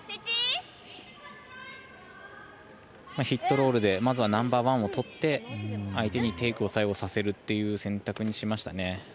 ヒットロールでまずはナンバーワンをとって相手にテイクを最後させるという選択にしましたね。